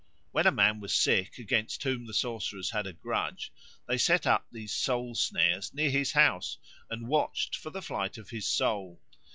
When a man was sick against whom the sorcerers had a grudge, they set up these soul snares near his house and watched for the flight of his soul.